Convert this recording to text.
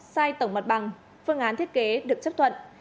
sai tổng mặt bằng phương án thiết kế được chấp thuận